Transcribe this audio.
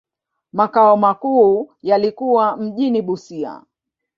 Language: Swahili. Makao makuu yalikuwa mjini Busia.